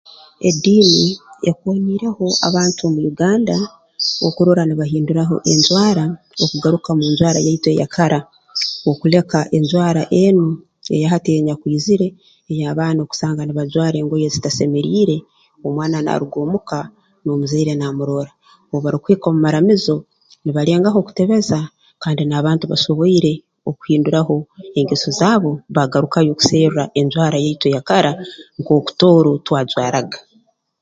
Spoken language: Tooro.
Ediini ekoonyiireho abantu omu Uganda okurora nibahinduraho enjwara n'okugaruka mu njwara eyaitu eya kara okuleka enjwara embi eya hati ei enyakwizire ey'abaana kusanga nibajwara engoye ezitasemeriire omwana naaruga omu ka n'omuzaire naamurora obu barukuhika omu maramizo nibalengaho okutebeza kandi n'abantu basoboire okuhinduraho engeso zaabo baagarukayo kuserra enjwara yaitu eya kara nkooku Tooro twajwaraga